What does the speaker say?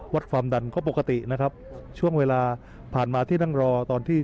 วัดความดันก็ปกตินะครับช่วงเวลาผ่านมาที่นั่งรอตอนที่